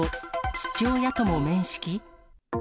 父親とも面識？